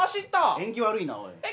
縁起悪いな、おい。